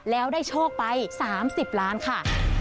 แล้วได้โชคไป๓๐ล้านค่ะ